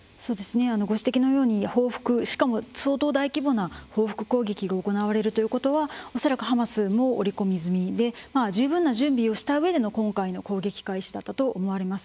ご指摘のように報復相当、大規模な報復攻撃が行われるというのは恐らくハマスも織り込み済みで十分な準備をしたうえでの今回の攻撃開始だったと思われます。